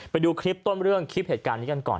ไปดูคลิปต้นเรื่องคลิปเหตุการณ์นี้กันก่อน